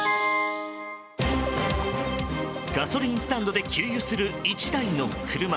ガソリンスタンドで給油する１台の車。